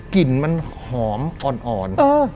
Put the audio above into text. กลิ่นมันหอมอ่อน